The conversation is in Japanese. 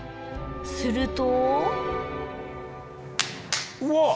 するとうわっ！